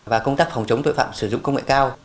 và công tác phòng chống tội phạm sử dụng công nghệ cao